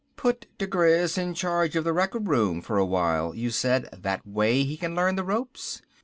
"Put diGriz in charge of the record room for a while, you said, that way he can learn the ropes.